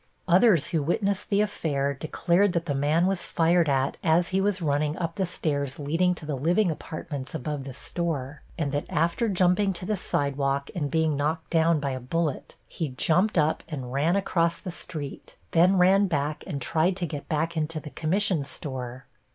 Others who witnessed the affair declared that the man was fired at as he was running up the stairs leading to the living apartments above the store, and that after jumping to the sidewalk and being knocked down by a bullet he jumped up and ran across the street, then ran back and tried to get back into the commission store.